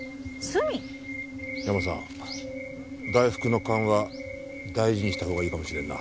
ヤマさん大福の勘は大事にしたほうがいいかもしれんな。